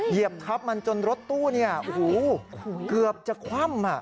เหยียบทับมันจนรถตู้เกือบจะคว่ำ